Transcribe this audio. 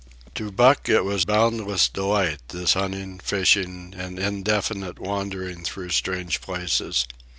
To Buck it was boundless delight, this hunting, fishing, and indefinite wandering through strange places.